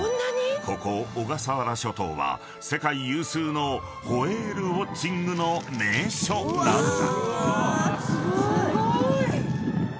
ここ小笠原諸島は世界有数のホエールウオッチングの名所なのだ］